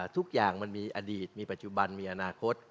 ทุกอย่างมันมีอดีตมีปัจจุบันมีอนาคต